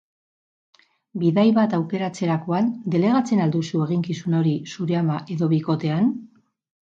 Bidai bat aukeratzerakoan delegatzen al duzu eginkizun hori zure ama edo bikotean?